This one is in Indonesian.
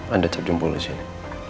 anda terjemput di sini